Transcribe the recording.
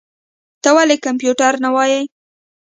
ته ولي کمپيوټر نه وايې؟